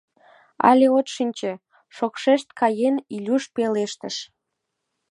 — Але от шинче? — шокшешт каен, Илюша пелештыш.